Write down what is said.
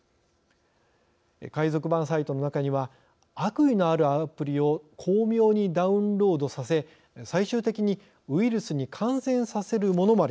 海賊版サイトの中には悪意のあるアプリを巧妙にダウンロードさせ最終的にウイルスに感染させるものもあります。